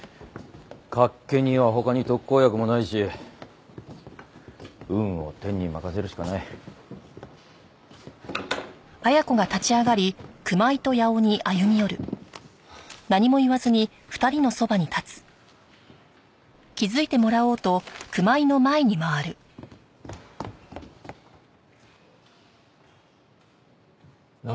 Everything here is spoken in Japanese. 脚気には他に特効薬もないし運を天に任せるしかない。何？